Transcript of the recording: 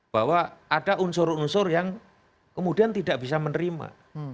bahwa ada unsur unsur yang kemudian tidak bisa menerima